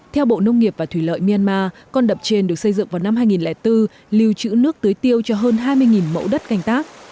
theo bộ nông nghiệp và thủy lợi myanmar con đập trên được xây dựng vào năm hai nghìn bốn lưu trữ nước tưới tiêu cho hơn hai mươi mẫu đất canh tác